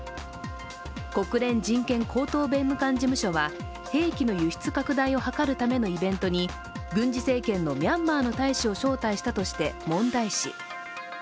国連人権高等弁務官事務所は兵器の輸出拡大を図るイベントに軍事政権のミャンマーの大使を招待したとして問題視。